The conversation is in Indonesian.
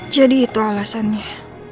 jadi itu alasannya